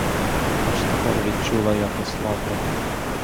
Аж тепер відчула, як ослабла.